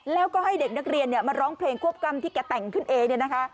แล้วก็ให้เด็กนักเรียนมาร้องเพลงควบกรรมที่แกแต่งขึ้นเองเนี่ยนะคะ